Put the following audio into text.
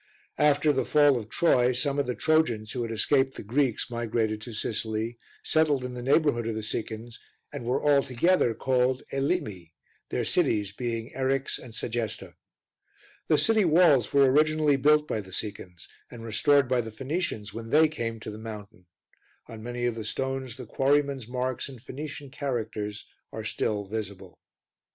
After the fall of Troy, some of the Trojans, who had escaped the Greeks, migrated to Sicily, settled in the neighbourhood of the Sicans and were all together called Elymi, their cities being Eryx and Segesta. The city walls were originally built by the Sicans, and restored by the Phoenicians when they came to the mountain; on many of the stones the quarrymen's marks in Phoenician characters are still visible.